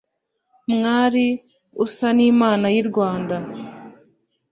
mwari usa n’imana y’i rwanda